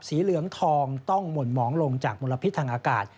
สีเหลืองทองต้องหม่นหมองลงจากมลพิษทางอากาศ